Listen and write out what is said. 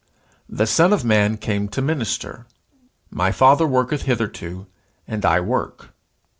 "The Son of Man came to minister." "My Father worketh hitherto, and I work."